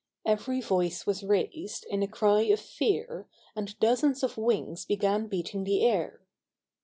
Every voice was raised in a cry of fear, and dozens of wings began beating the air.